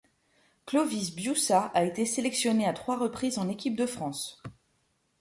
Clovis Bioussa a été sélectionné à trois reprises en équipe de France.